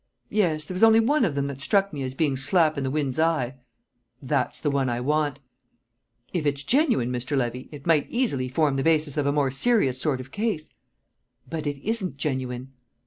"Yes; there was only one of them that struck me as being slap in the wind's eye." "That's the one I want." "If it's genuine, Mr. Levy, it might easily form the basis of a more serious sort of case." "But it isn't genuine."